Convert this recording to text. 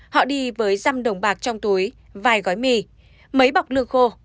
họ đi với răm đồng bạc trong túi vài gói mì mấy bọc lương khô